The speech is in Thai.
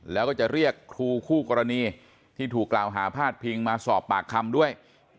แล้วก็จะเรียกครูคู่กรณีที่ถูกกล่าวหาพาดพิงมาสอบปากคำด้วย